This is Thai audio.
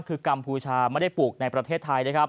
ที่บ้านคือกัมพูชาไม่ได้ปลูกในประเทศไทย